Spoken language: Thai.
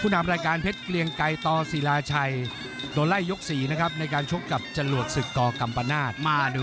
นำรายการเพชรเกลียงไกรต่อศิลาชัยโดนไล่ยก๔นะครับในการชกกับจรวดศึกกกัมปนาศมาดู